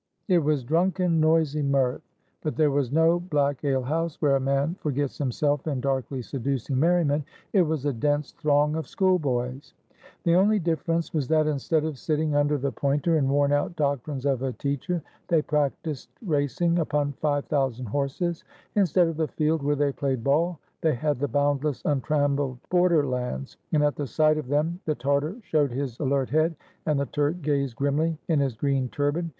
It was drunken, noisy mirth; but there was no black ale house, where a man forgets himself in darkly seducing merriment: it was a dense throng of schoolboys. The only difference was that, instead of sitting under the pointer and worn out doctrines of a teacher, they practiced racing upon five thousand horses; instead of the field where they played ball, they had the boundless, untrammeled border lands; and at the sight of them the Tartar showed his alert head, and the Turk gazed grimly in his green turban.